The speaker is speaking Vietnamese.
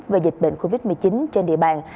về dịch bệnh covid một mươi chín trên địa bàn